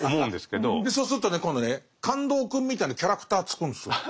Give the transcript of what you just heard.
そうするとね今度ね「感動くん」みたいなキャラクター作るんですよ。